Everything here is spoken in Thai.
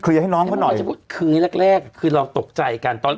เคลียร์ให้น้องเขาหน่อยคือนี่แรกคือเราตกใจกันตอน